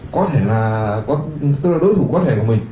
có thể là tức là đối thủ có thể của mình